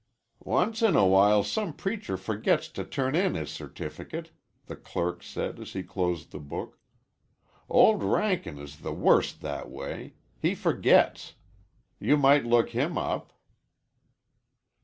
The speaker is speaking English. "Once in a while some preacher forgets to turn in his certificate," the clerk said as he closed the book. "Old Rankin is the worst that way. He forgets. You might look him up."